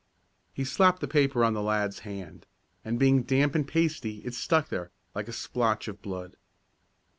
He slapped the paper on the lad's hand, and being damp and pasty it stuck there, like a splotch of blood.